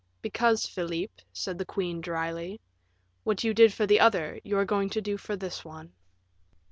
"Because, Philip," said the queen dryly, "what you did for the other, you are going to do for this one."